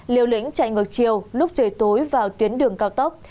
liều lĩnh chạy ngược chiều lúc trời tối vào tuyến đường cao tốc